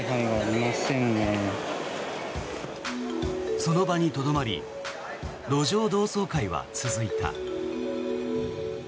その場にとどまり路上同窓会は続いた。